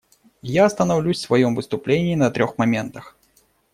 Я остановлюсь в своем выступлении на трех моментах.